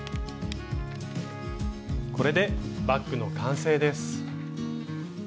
これでバッグの完成です。